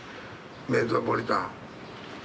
メトロポリタン。